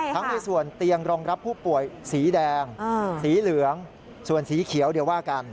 ในส่วนเตียงรองรับผู้ป่วยสีแดงสีเหลืองส่วนสีเขียวเดี๋ยวว่ากัน